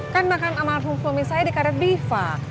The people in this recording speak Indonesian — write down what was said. kan makan sama alfung fung misalnya di karet bifa